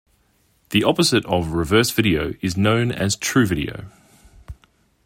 The opposite of reverse video is known as "true video".